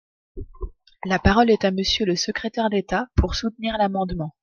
La parole est à Monsieur le secrétaire d’État, pour soutenir l’amendement.